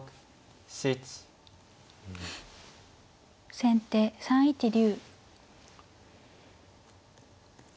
先手３一竜。